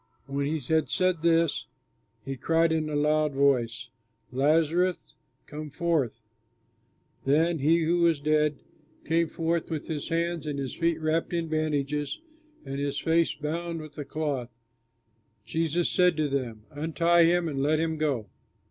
When he had said this, he cried in a loud voice, "Lazarus, come forth." Then he who was dead came forth with his hands and feet wrapped in bandages and his face bound with a cloth. Jesus said to them, "Untie him and let him go."